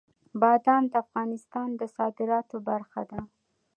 بادام د افغانستان د صادراتو برخه ده.